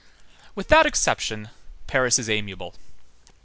With that exception, Paris is amiable.